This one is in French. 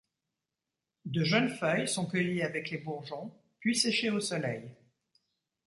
De jeunes feuilles sont cueillies avec les bourgeons, puis séchées au soleil.